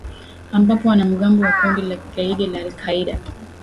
ambapo wanamgambo wa kundi la kigaidi la al qaeda